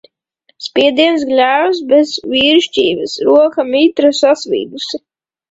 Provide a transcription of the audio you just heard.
Spiediens gļēvs bez vīrišķības, roka mitra sasvīdusi.